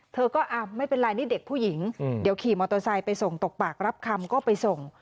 เธอก็ไม่เป็นไรนี่เด็กผู้หญิงเดี๋ยวขี่มอเตอร์ไซค์ไปส่งตกปากรับคำก็ไปส่ง